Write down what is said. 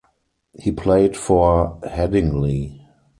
He played for Headingley.